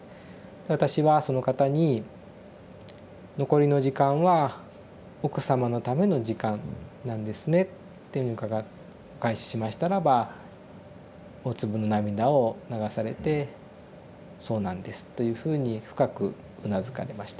私はその方に「残りの時間は奥様のための時間なんですね」ってお返ししましたらば大粒の涙を流されて「そうなんです」というふうに深くうなずかれました。